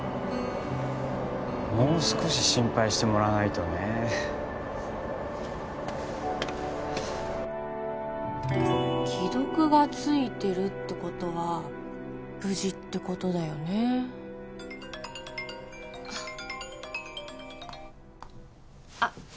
もう少し心配してもらわないとね既読が付いてるってことは無事ってことだよねあっあっ